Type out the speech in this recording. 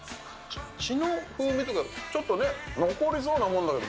血の風味とかちょっとね、残りそうなもんだけど。